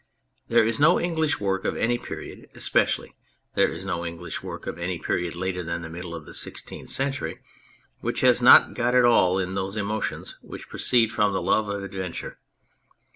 There is no English work of any period, especially is there no English work of any period later than the middle of the Sixteenth Century, which has not got in it all those emotions which pi oceed from the love of Adventure.